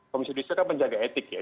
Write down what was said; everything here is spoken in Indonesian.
komisi judisial kan penjaga etik ya